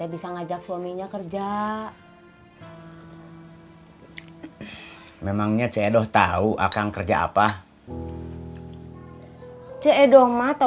bilang ke cik edo aku gak bisa